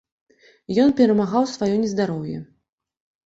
Ён перамагаў сваё нездароўе.